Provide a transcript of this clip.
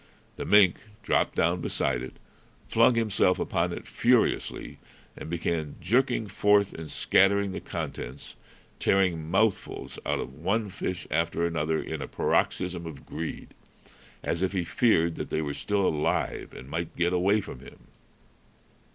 The mink dropped down beside it, flung himself upon it furiously, and began jerking forth and scattering the contents, tearing mouthfuls out of one fish after another in a paroxysm of greed, as if he feared they were still alive and might get away from him.